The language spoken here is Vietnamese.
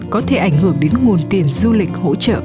có thể ảnh hưởng đến nguồn tiền du lịch hỗ trợ